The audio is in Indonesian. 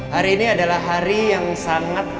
hari ini adalah hari yang sangat